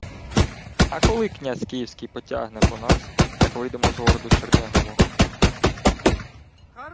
— А коли князь київський потягне по нас, як вийдемо з городу Чернегового?